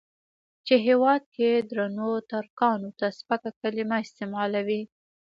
چې هېواد کې درنو ترکانو ته سپکه کليمه استعمالوي.